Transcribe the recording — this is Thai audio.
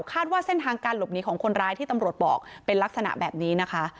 คาดว่าเส้นทางการหลบหนีของคนร้ายที่ตำรวจบอกเป็นลักษณะแบบนี้นะคะ